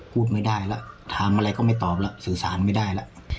พูดไม่ได้แล้วถามอะไรก็ไม่ตอบแล้วสื่อสารไม่ได้แล้ว